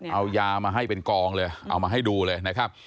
เอายามาให้เป็นกองเลยเอามาให้ดูเลยนะครับ